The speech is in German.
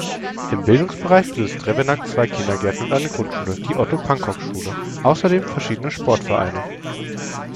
Im Bildungsbereich besitzt Drevenack zwei Kindergärten und eine Grundschule, die Otto-Pankok-Schule, außerdem verschiedene Sportvereine.